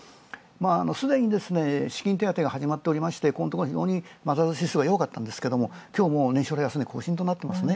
すでに資金手当てが始まっておりまして、ここのところ、非常にマザーズ指数が弱かったですが、今日はもう年初来安値を更新となってますね。